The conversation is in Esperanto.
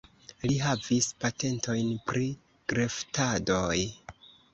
Li havis patentojn pri greftadoj.